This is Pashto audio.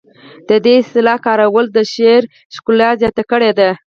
د دې اصطلاح کارول د شعر ښکلا زیاته کړې ده